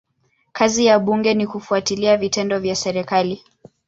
Kazi ya bunge ni kufuatilia vitendo vya serikali.